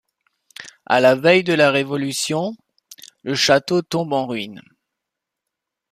À la veille de la Révolution, le château tombe en ruine.